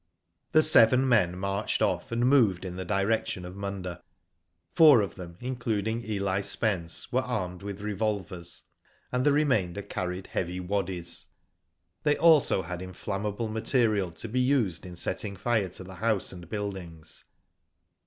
• The seven men marched off, and moved in the direction of Munda. Four of them, including EH Spence, were armed with revolvers, and the remainder carried heavy waddies. They had also inflammable material to be used in setting fire to the house and buildings.